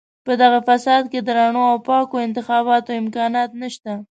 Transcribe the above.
په دغه فساد کې د رڼو او پاکو انتخاباتو امکانات نشته.